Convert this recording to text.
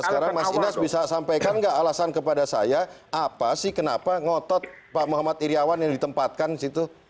sekarang mas ines bisa sampaikan nggak alasan kepada saya apa sih kenapa ngotot pak muhammad iryawan yang ditempatkan di situ